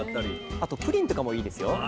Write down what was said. あとプリンとかもいいですよ。